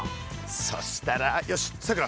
そしたらよしさくら